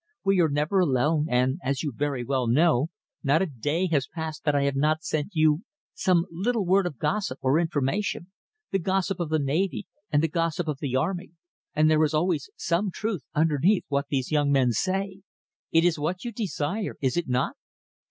We are never alone, and, as you very well know, not a day has passed that I have not sent you some little word of gossip or information the gossip of the navy and the gossip of the army and there is always some truth underneath what these young men say. It is what you desire, is it not?"